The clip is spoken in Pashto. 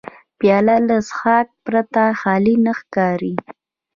پیاله له څښاک پرته خالي نه ښکاري.